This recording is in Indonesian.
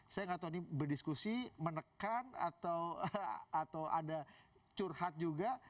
saya nggak tahu ini berdiskusi menekan atau ada curhat juga